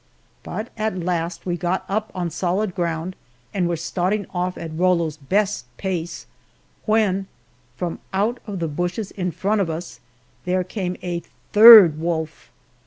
But at last we got up on solid ground, and were starting off at Rollo's best pace, when from out of the bushes in front of us, there came a third wolf!